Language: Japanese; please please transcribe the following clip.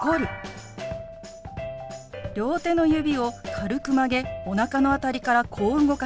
両手の指を軽く曲げおなかの辺りからこう動かします。